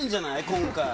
今回。